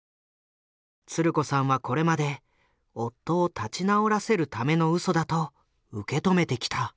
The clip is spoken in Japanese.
つる子さんはこれまで夫を立ち直らせるためのうそだと受け止めてきた。